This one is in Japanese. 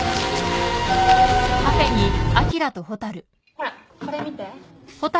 ほらこれ見て。